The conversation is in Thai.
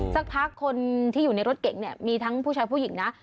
สักพักคนที่อยู่ในรถเก่งเนี่ยมีทั้งผู้ชายผู้หญิงนะ